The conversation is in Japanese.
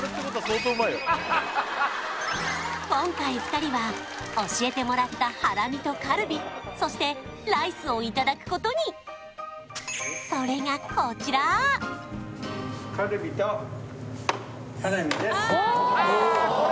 今回２人は教えてもらったハラミとカルビそしてライスをいただくことにカルビとハラミです